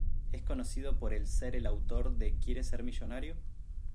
Es conocido por el ser el autor de "¿Quiere ser millonario?